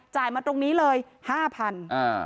มาตรงนี้เลย๕๐๐บาท